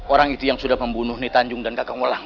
orang itu yang sudah membunuh nitanjung dan kakak wolang